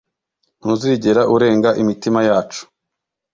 ntuzigera urenga imitima yacu